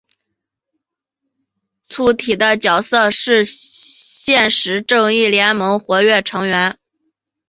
粗体的角色是现时正义联盟活跃成员。